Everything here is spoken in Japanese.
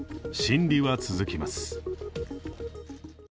審理は続きます。